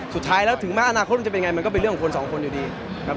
สุดท้ายแล้วถึงแม้อนาคตมันจะเป็นไงมันก็เป็นเรื่องของคนสองคนอยู่ดีครับ